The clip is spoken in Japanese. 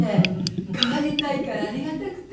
変わりたいからありがたくて。